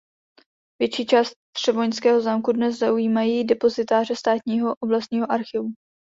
Větší část třeboňského zámku dnes zaujímají depozitáře Státního oblastního archivu.